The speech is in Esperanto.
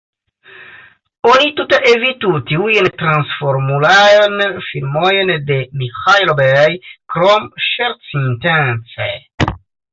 Oni tute evitu tiujn Transformulajn filmojn de Miĥaelo Bej, krom ŝercintence.